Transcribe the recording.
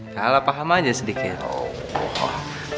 kalau paham aja sedikit